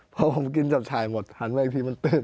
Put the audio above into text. พอผมกินจับฉายหมดหันมาอีกทีมันตื่น